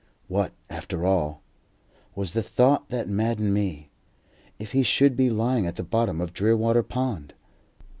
"What, after all," was the thought that maddened me, "if he should be lying at the bottom of Drearwater Pond?"